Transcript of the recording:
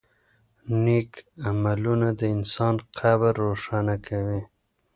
نېک عملونه د انسان قبر روښانه کوي.